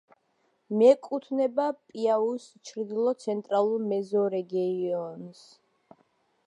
მიეკუთვნება პიაუის ჩრდილო-ცენტრალურ მეზორეგიონს.